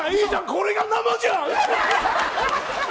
これが生じゃん。